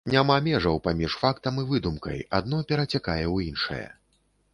Няма межаў паміж фактам і выдумкай, адно перацякае ў іншае.